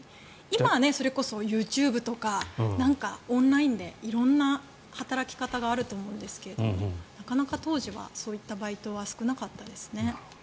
今はそれこそＹｏｕＴｕｂｅとかオンラインで色んな働き方があると思うんですけどなかなか当時はそういったバイトは少なかったですね。